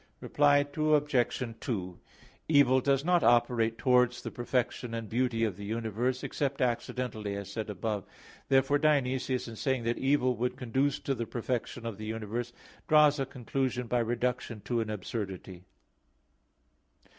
Reply Obj. 2: Evil does not operate towards the perfection and beauty of the universe, except accidentally, as said above (ad 1). Therefore Dionysius in saying that "evil would conduce to the perfection of the universe," draws a conclusion by reduction to an absurdity.